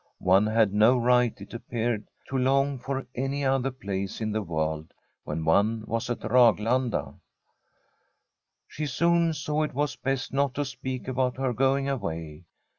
One had no right, it ap peared, to long for any other place in the world, when one was at Raglanda. She soon saw it was best not to speak about her going away.